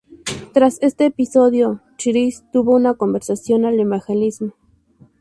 Tras este episodio Chris tuvo una conversión al evangelismo.